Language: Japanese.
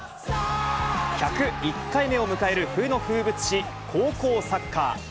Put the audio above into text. １０１回目を迎える冬の風物詩、高校サッカー。